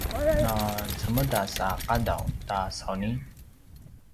na cemedas a qadaw ta sauni?